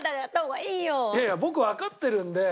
いやいや僕わかってるので。